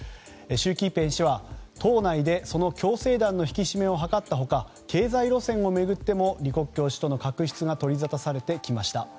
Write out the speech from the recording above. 習近平氏は党内で共青団の引き締めを図った他経済路線を巡っても李克強氏との確立が取りざたされてきました。